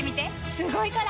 すごいから！